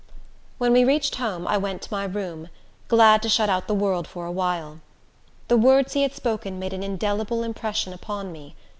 When we reached home, I went to my room, glad to shut out the world for a while. The words he had spoken made an indelible impression upon me.